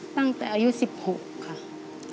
ตั้งแต่อายุสิบหก